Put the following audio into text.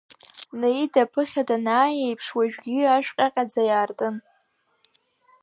Наида аԥыхьа данааи еиԥш, уажәгьы ашә ҟьаҟьаӡа иартын.